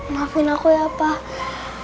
maafin aku ya pak